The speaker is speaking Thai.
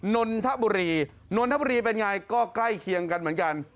นนทบุรีนนทบุรีเป็นไงก็ใกล้เคียงกันเหมือนกัน